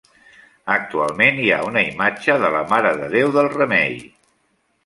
Actualment hi ha una imatge de la Marededéu del Remei.